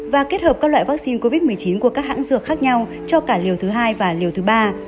và kết hợp các loại vaccine covid một mươi chín của các hãng dược khác nhau cho cả liều thứ hai và liều thứ ba